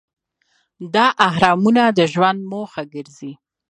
دا اهرامونه د ژوند موخه ګرځي.